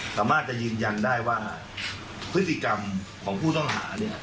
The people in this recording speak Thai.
สามารถจะยืนยันได้ว่าพฤติกรรมของผู้ต้องหาเนี่ย